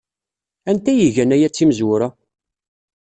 Anti ay igan aya d timezwura?